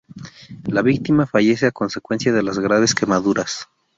La víctima fallece a consecuencia de las graves quemaduras.